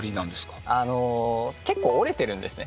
結構折れてるんですね。